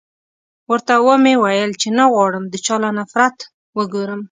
ورته و مې ويل چې نه غواړم د چا له نفرت وګورم.